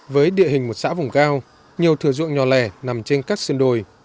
với địa hình một xã vùng cao nhiều thừa ruộng nhỏ lẻ nằm trên các sườn đồi